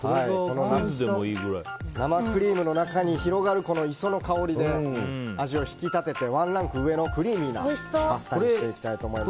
生クリームの中に広がる磯の香りで味を引き立てて、ワンランク上のクリーミーなパスタにしていきたいと思います。